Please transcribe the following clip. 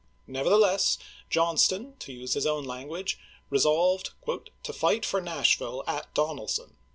Nevertheless, John ston, to use his own language, resolved " to fight for Nashville at Donelson."